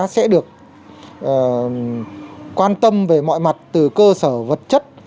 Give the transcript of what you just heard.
sẽ được quan tâm về mọi mặt từ cơ sở vật chất